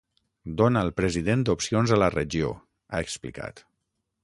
“Dona al president opcions a la regió”, ha explicat.